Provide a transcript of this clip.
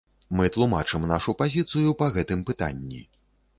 Мы тлумачым нашу пазіцыю па гэтым пытанні.